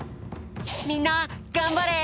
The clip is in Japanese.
みんながんばれ！